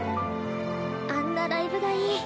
あんなライブがいい。